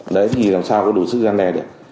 đấy thì làm sao có đủ sức gian đe đấy ạ